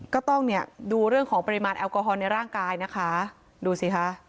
ก็ต้องเนี่ยดูเรื่องของปริมาณแอลกอฮอลในร่างกายนะคะดูสิคะ